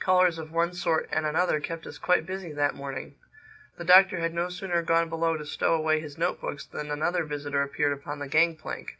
Callers of one sort and another kept us quite busy that morning. The Doctor had no sooner gone below to stow away his note books than another visitor appeared upon the gang plank.